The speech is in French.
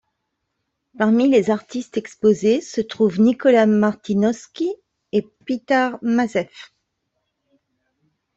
Parmi les artistes exposés se trouvent Nikola Martinoski et Petar Mazev.